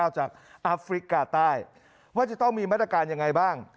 จากอัฟริกาใต้ว่าจะต้องมีมาตรการยังไงบ้าง